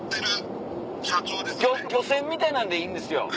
漁船みたいなんでいいんですよ。